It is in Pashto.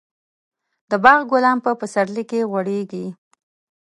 د باغ ګلان په پسرلي کې غوړېږي.